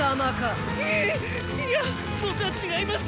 いや僕は違います！